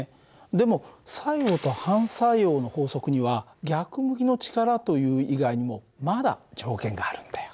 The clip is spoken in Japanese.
でも作用と反作用の法則には逆向きの力という以外にもまだ条件があるんだよ。